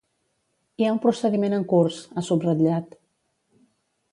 Hi ha un procediment en curs, ha subratllat.